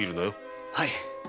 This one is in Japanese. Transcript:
はい。